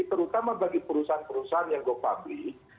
terutama bagi perusahaan perusahaan yang go public